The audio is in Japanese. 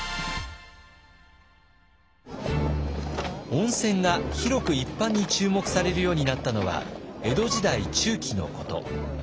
温泉が広く一般に注目されるようになったのは江戸時代中期のこと。